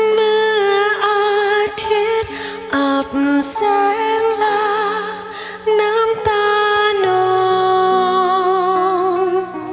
เมื่ออาทิตย์อับแสงลาน้ำตาน้อง